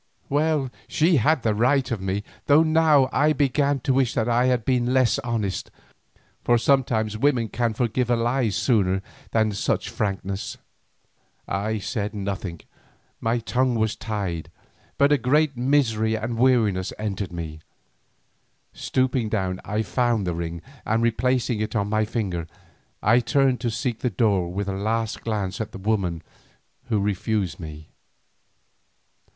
Well, she had the right of me, though now I began to wish that I had been less honest, for sometimes women can forgive a lie sooner than such frankness. I said nothing, my tongue was tied, but a great misery and weariness entered into me. Stooping down I found the ring, and replacing it on my finger, I turned to seek the door with a last glance at the woman who refused me.